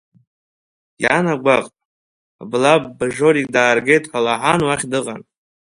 Иан агәаҟ, Блабб Жорик дааргеит ҳәа лаҳан уахь дыҟан.